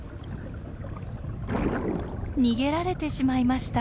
逃げられてしまいました。